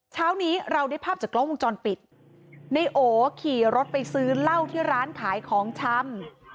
เช้านี้เราได้ภาพจากกล้องวงจรปิดในโอขี่รถไปซื้อเหล้าที่ร้านขายของชำ